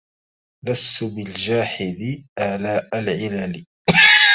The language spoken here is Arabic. لست بالجاحد آلاء العلل